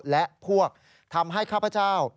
และพวกทำให้ข้าพเจ้า